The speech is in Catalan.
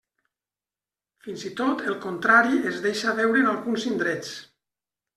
Fins i tot el contrari es deixa veure en alguns indrets.